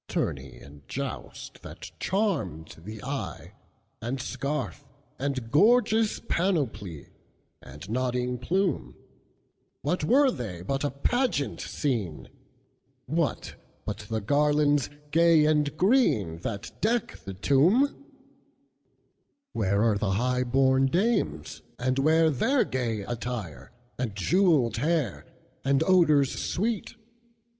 Tourney and joust, that charmed the eye, And scarf, and gorgeous panoply, And nodding plume, What were they but a pageant scene? What but the garlands, gay and green, That deck the tomb? Where are the high born dames, and whereTheir gay attire, and jewelled hair, And odors sweet?